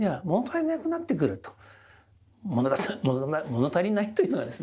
もの足りないというのがですね